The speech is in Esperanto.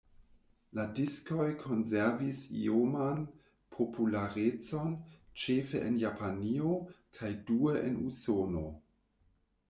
La diskoj konservis ioman popularecon ĉefe en Japanio kaj due en Usono.